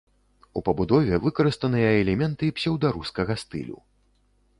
У пабудове выкарыстаныя элементы псеўдарускага стылю.